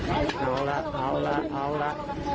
เอาละเอาละเอาละ